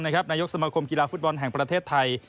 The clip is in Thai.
นายกสมคมกีฬาฟุตบอลแห่งประเทศไทย